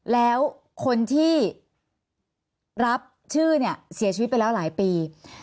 แล้วคนที่รับชื่อเนี่ยเสียชีวิตไปแล้วหลายปี